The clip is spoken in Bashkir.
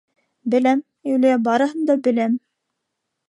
— Беләм, Юлия, барыһын да беләм.